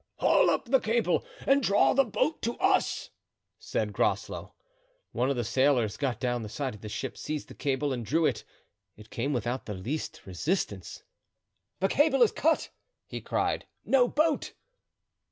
"Haul up the cable and draw the boat to us," said Groslow. One of the sailors got down the side of the ship, seized the cable, and drew it; it came without the least resistance. "The cable is cut!" he cried, "no boat!"